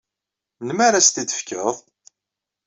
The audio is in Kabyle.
Melmi ara as-t-id-tefkeḍ?